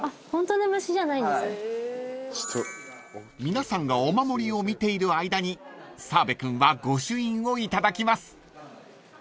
［皆さんがお守りを見ている間に澤部君は御朱印を頂きます］